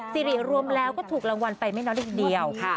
ซีรีส์รวมแล้วก็ถูกรางวัลไปไม่นานอีกเดียวค่ะ